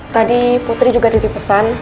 tadi putri juga titip pesan